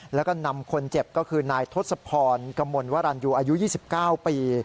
แล้วก็นำคนเจ็บก็คือนายทศพรกมลวรรณยูอายุ๒๙ปี